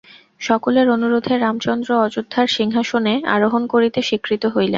সকলের অনুরোধে রামচন্দ্র অযোধ্যার সিংহাসনে আরোহণ করিতে স্বীকৃত হইলেন।